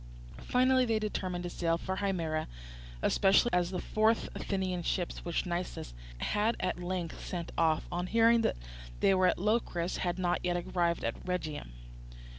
Finally they determined to sail for Himera, especially as the four Athenian ships which Nicias had at length sent off, on hearing that they were at Locris, had not yet arrived at Rhegium.